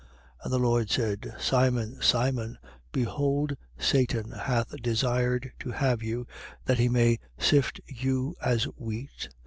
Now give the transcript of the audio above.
22:31. And the Lord said: Simon, Simon, behold Satan hath desired to have you, that he may sift you as wheat.